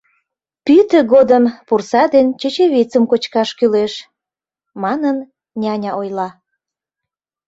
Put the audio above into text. — Пӱтӧ годым пурса ден чечевицым кочкаш кӱлеш, манын няня ойла.